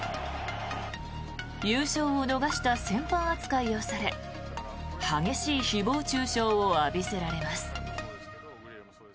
優勝を逃した戦犯扱いをされ激しい誹謗・中傷を浴びせられます。